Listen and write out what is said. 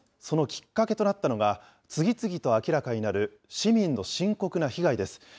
そのきっかけとなったのが、次々と明らかになる市民の深刻な被害です。